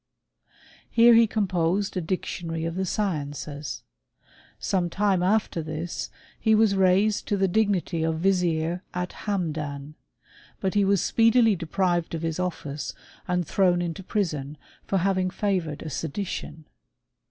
Here he com* posed a dictionary of the sciences. Sometime aftef this he was raised to the dignity of vizier at Hamdan j but he was speedily deprived of his office and thrown into prison for having favoured a sedition.